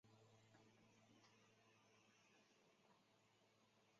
这位女神后来成为罗马的库柏勒。